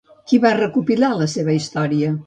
Qui va recopilar la seva història?